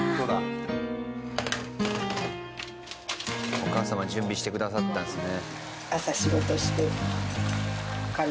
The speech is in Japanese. お母様準備してくださったんですね。